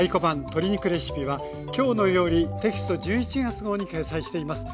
鶏肉レシピ」は「きょうの料理」テキスト１１月号に掲載しています。